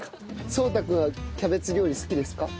蒼大君はキャベツ料理好きですか？